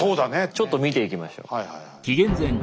ちょっと見ていきましょう。